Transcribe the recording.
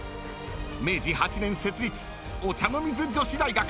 ［明治８年設立お茶の水女子大学］